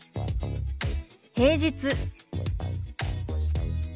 平日。